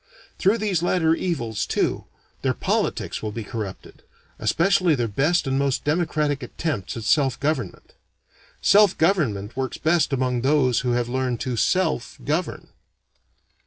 Through these latter evils, too, their politics will be corrupted; especially their best and most democratic attempts at self government. Self government works best among those who have learned to self govern.